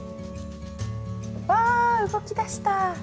わ動きだした。